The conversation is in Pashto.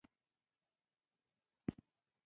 ټپي ته باید پاملرنه د انسانیت له مخې وشي.